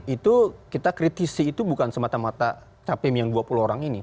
itu kita kritisi itu bukan semata mata capim yang dua puluh orang ini